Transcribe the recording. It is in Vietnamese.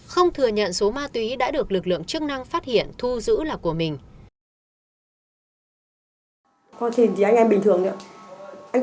không thừa nhận số ma túy đã được lực lượng chức năng phát hiện thu giữ là của mình